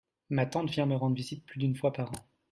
Ma tante vient me rendre visite plus d'une fois par an.